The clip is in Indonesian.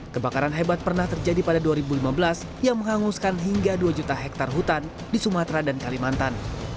kebakaran hebat pernah terjadi pada dua ribu lima belas yang menghanguskan hingga dua juta hektare hutan di sumatera dan kalimantan